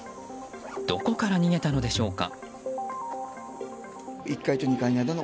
どこから逃げたのでしょうか。